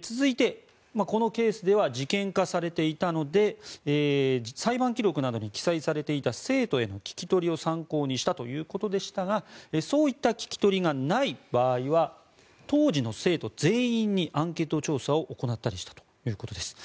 続いて、このケースでは事件化されていたので裁判記録などに記載されていた生徒への聞き取りを参考にしたということでしたがそういった聞き取りがない場合は当時の生徒全員にアンケート調査を行ったりしたということです。